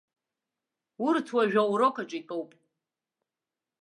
Урҭ уажәы аурок аҿы итәоуп.